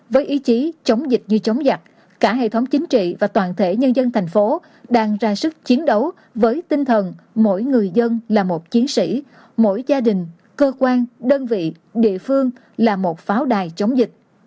với ý chí chống dịch như chống giặc cả hệ thống chính trị và toàn thể nhân dân thành phố đang ra sức chiến đấu với tinh thần mỗi người dân là một chiến sĩ mỗi gia đình cơ quan đơn vị địa phương là một pháo đài chống dịch